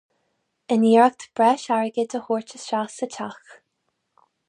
In iarracht breis airgid a thabhairt isteach sa teach.